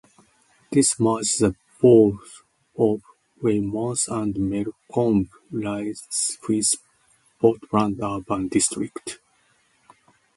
This merged the borough of Weymouth and Melcombe Regis with Portland urban district.